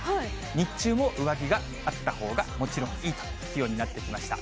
日中も上着があったほうがもちろんいいという気温になってきました。